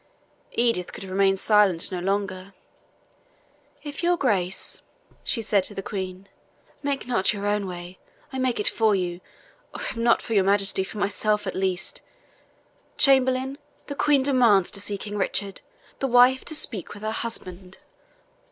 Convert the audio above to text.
Edith could remain silent no longer. "If your Grace," she said to the Queen, "make not your own way, I make it for you; or if not for your Majesty, for myself at least. Chamberlain, the Queen demands to see King Richard the wife to speak with her husband."